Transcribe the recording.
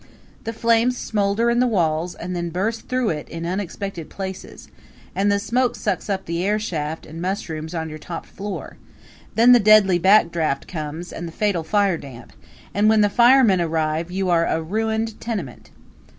The flames smolder in the walls and then burst through in unexpected places, and the smoke sucks up the airshaft and mushrooms on your top floor; then the deadly back draft comes and the fatal firedamp, and when the firemen arrive you are a ruined tenement.